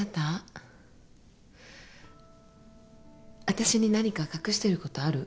わたしに何か隠してることある？